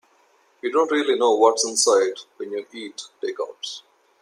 You don't really know what's inside when you eat takeouts.